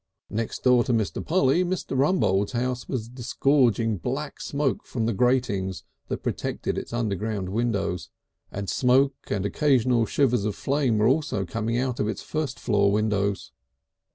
Next door to Mr. Polly, Mr. Rumbold's house was disgorging black smoke from the gratings that protected its underground windows, and smoke and occasional shivers of flame were also coming out of its first floor windows.